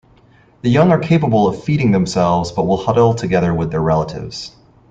The young are capable of feeding themselves but will huddle together with their relatives.